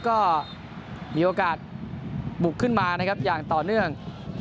ก็มีโอกาสบุกขึ้นมานะครับอย่างต่อเนื่อง